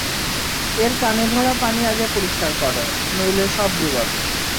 এর কানে ভরা পানি আগে পরিষ্কার করো, নইলে সব ডুবাবে।